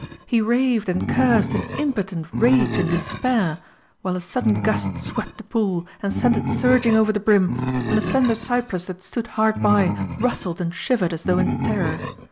He raved and cursed in impotent rage and despair while a sudden gust swept the pool and sent it surging over the brim, and a slender cypress that stood hard by rustled and shivered as though in terror.